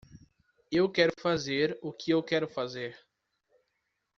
Eu quero fazer o que eu quero fazer.